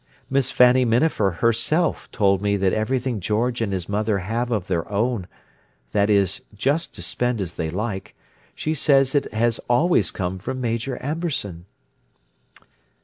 Miss Fanny Minafer herself told me that everything George and his mother have of their own—that is, just to spend as they like—she says it has always come from Major Amberson."